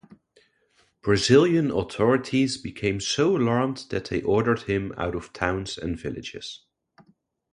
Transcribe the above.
Brazilian authorities became so alarmed that they ordered him out of towns and villages.